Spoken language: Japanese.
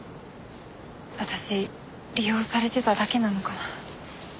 私利用されてただけなのかな？